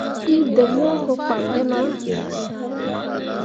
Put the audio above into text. Ɗii deɓ hũũ ko kpak ɗi mah.